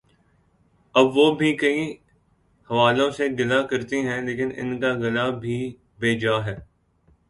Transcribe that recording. اب وہ بھی کئی حوالوں سے گلہ کرتی ہیں لیکن ان کا گلہ بھی بے جا ہے۔